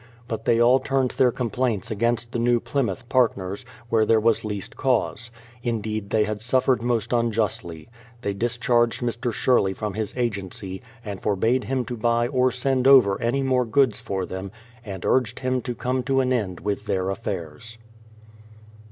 But they all turned their complaints against the New Plymouth partners, where there was least cause; indeed they had suffered most un justly. They discharged Mr. Sherley from his agency, and forbade him to buy or send over any more goods for them, and urged him to come to an end with their affairs.